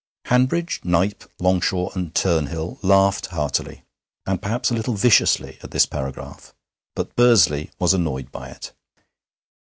Hanbridge, Knype, Longshaw, and Turnhill laughed heartily, and perhaps a little viciously, at this paragraph, but Bursley was annoyed by it.